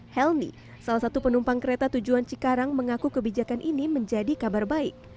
helni salah satu penumpang kereta tujuan cikarang mengaku kebijakan ini menjadi kabar baik